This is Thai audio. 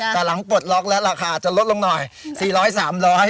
แต่หลังปลดล็อกแล้วราคาจะลดลงหน่อย๔๐๐๓๐๐บาท